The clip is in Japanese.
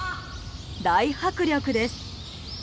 大迫力です！